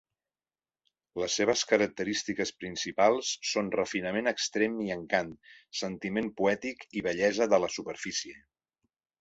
Les seves característiques principals són refinament extrem i encant, sentiment poètic i bellesa de la superfície.